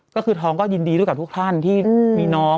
ก็คือทองก็ยินดีด้วยกับทุกท่านที่มีน้อง